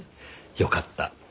よかった。